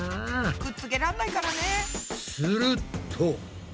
くっつけらんないからね。